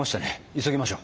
急ぎましょう。